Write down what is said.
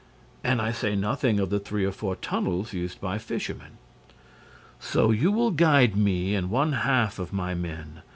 And I say nothing of the three or four tunnels used by the fishermen." "So you will guide me and one half of my men.